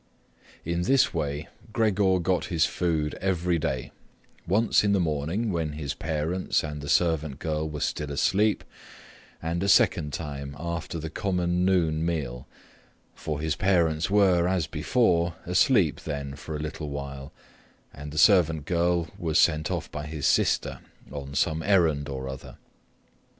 In this way Gregor got his food every day, once in the morning, when his parents and the servant girl were still asleep, and a second time after the common noon meal, for his parents were, as before, asleep then for a little while, and the servant girl was sent off by his sister on some errand or other.